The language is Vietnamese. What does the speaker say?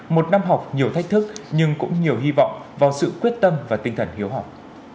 một năm học nhiều thách thức nhưng cũng nhiều hy vọng vào sự quyết tâm và tinh thần hiếu học